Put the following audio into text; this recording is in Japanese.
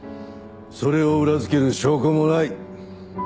それを裏付ける証拠もない。